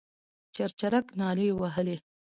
چرچرک نارې وهلې.